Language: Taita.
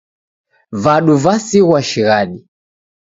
Vadu vasighwa shighadi